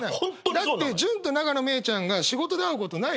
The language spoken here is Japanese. だって潤と永野芽郁ちゃんが仕事で会うことないじゃん。